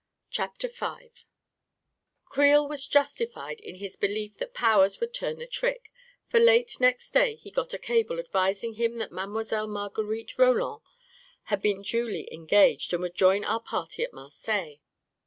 CHAPTER V Creel was justified in his belief that Powers would turn the trick, for late next day he got a cable advising him that Mile. Marguerite Roland had been duly engaged, and would join our party at Marseilles.